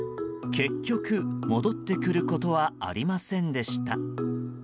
結局、戻ってくることはありませんでした。